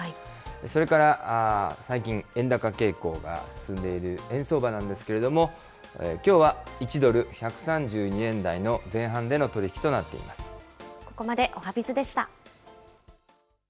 それから最近、円高傾向が進んでいる円相場なんですけれども、きょうは１ドル１３２円台の前半でここまでおはＢｉｚでした。